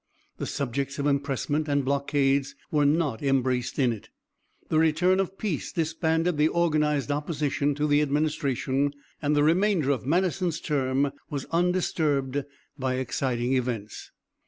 The subjects of impressment and blockades were not embraced in it. The return of peace disbanded the organized opposition to the administration, and the remainder of Madison's term was undisturbed by exciting events.